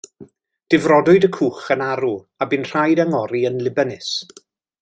Difrodwyd y cwch yn arw a bu'n rhaid angori yn Libanus.